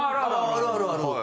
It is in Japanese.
ああるある。